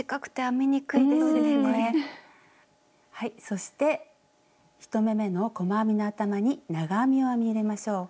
そして１目めの細編みの頭に長編みを編み入れましょう。